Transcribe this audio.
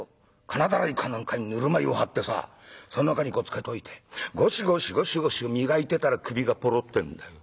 金だらいか何かにぬるま湯を張ってさそん中にこうつけといてゴシゴシゴシゴシ磨いてたら首がポロッてんだよ。